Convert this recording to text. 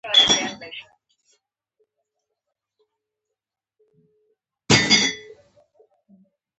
ترکان په کلیو، بانډو او ښارونو کې میشت شول او ژوند یې پکې کاوه.